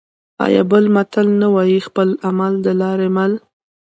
آیا بل متل نه وايي: خپل عمل د لارې مل؟